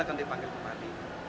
akan dipanggil kembali